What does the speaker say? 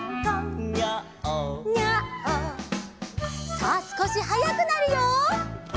」さあすこしはやくなるよ。